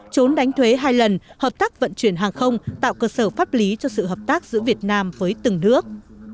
trốn đánh thuế hai lần hợp tác vận chuyển hàng không tạo cơ sở pháp lý cho sự hợp tác giữa việt nam với từng nước